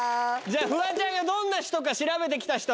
フワちゃんがどんな人か調べてきた人。